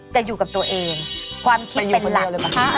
จะอยู่กับตัวเองความคิดเป็นหลัก